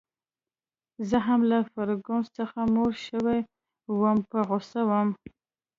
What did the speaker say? زه هم له فرګوسن څخه موړ شوی وم، په غوسه وم.